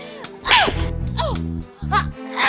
gue gak mau